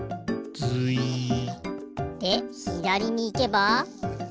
ズイッ。でひだりにいけば。